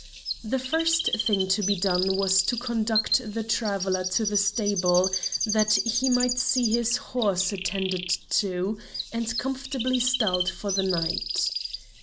The first thing to be done was to conduct the traveller to the stable, that he might see his horse attended to and comfortably stalled for the night.